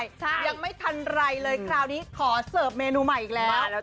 ยังไม่ทันไรเลยคราวนี้ขอเสิร์ฟเมนูใหม่อีกแล้ว